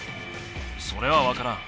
それはわからん。